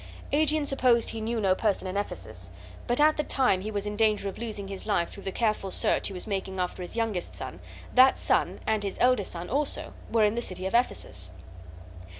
Aegeon supposed he knew no person in Ephesus; but at the time he was in danger of losing his life through the careful search he was making after his youngest son that son, and his eldest son also, were in the city of Ephesus.